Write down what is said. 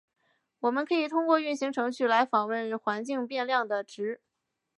我们可以通过运行程序来访问环境变量的值。